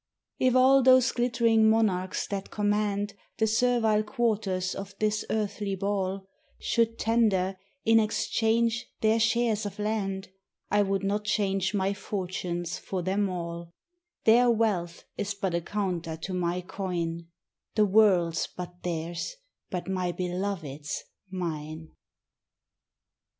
If all those glittering Monarchs that command The servile quarters of this earthly ball, Should tender, in exchange, their shares of land, I would not change my fortunes for them all: Their wealth is but a counter to my coin: The world's but theirs; but my Belovèd's mine.